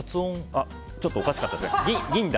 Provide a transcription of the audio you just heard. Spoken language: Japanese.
ちょっとおかしかったですか？